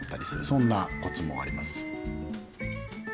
そんなコツもあります。